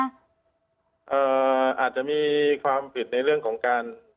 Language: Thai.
อาจจะมีความผิดในเรื่องของการ